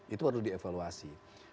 itu perlu dievaluasi